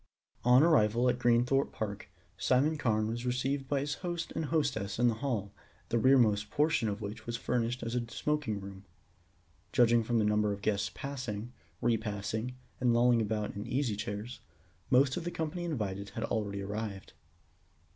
On arrival at Greenthorpe Park, Simon Carne was received by his host and hostess in the hall, the rear most portion of which was furnished as a smoking room. Judging from the number of guests passing, repassing, and lolling about in the easy chairs, most of the company invited had already arrived.